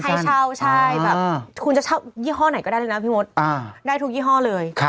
ให้เช่าใช่แบบคุณจะเช่ายี่ห้อไหนก็ได้เลยนะพี่มดได้ทุกยี่ห้อเลย